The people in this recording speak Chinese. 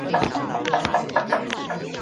祖父鲍受卿。